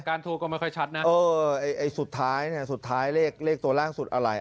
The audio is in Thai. โทรก็ไม่ค่อยชัดนะเออไอ้สุดท้ายเนี่ยสุดท้ายเลขตัวล่างสุดอะไร